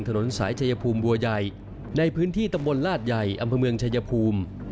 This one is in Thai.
ถนนสายชายภูมิบัวใหญ่ในพื้นที่ตำบลลาดใหญ่อำเภอเมืองชายภูมิ